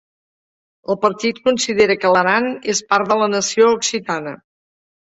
El partit considera que l'Aran és part de la nació occitana.